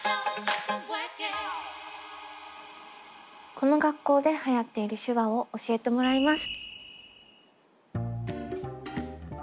この学校ではやっている手話を教えてもらいます。